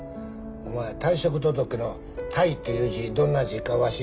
お前退職届の「退」っていう字どんな字かわし